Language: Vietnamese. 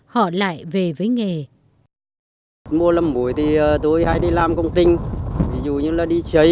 họ lại về với nghề